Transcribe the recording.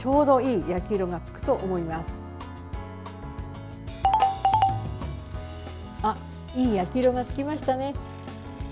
いい焼き色がつきましたね。